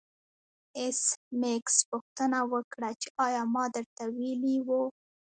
ایس میکس پوښتنه وکړه چې ایا ما درته ویلي وو